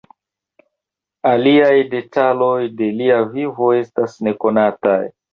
Aliaj detaloj de lia vivo estas nekonataj.